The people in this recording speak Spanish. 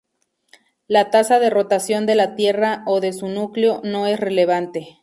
La tasa de rotación de la Tierra, o de su núcleo, no es relevante.